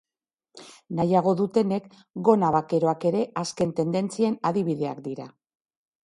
Nahiago dutenek, gona bakeroak ere azken tendentzien adibideak dira.